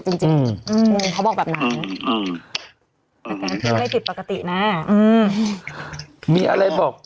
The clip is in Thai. หลุมให้ติดปกตินะ